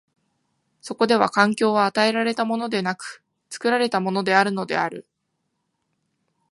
そこでは環境は与えられたものでなく、作られたものであるのである。